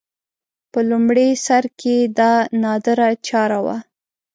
په لومړي سر کې دا نادره چاره وه